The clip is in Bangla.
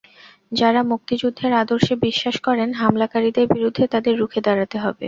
যাঁরা মুক্তিযুদ্ধের আদর্শে বিশ্বাস করেন, হামলাকারীদের বিরুদ্ধে তাঁদের রুখে দাঁড়াতে হবে।